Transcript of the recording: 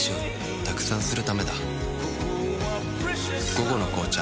「午後の紅茶」